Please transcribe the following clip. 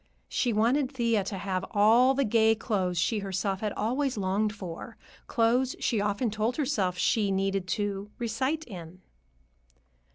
She wanted Thea to have all the gay clothes she herself had always longed for; clothes she often told herself she needed "to recite in."